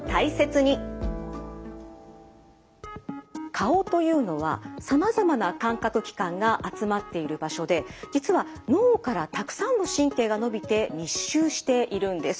顔というのはさまざまな感覚器官が集まっている場所で実は脳からたくさんの神経がのびて密集しているんです。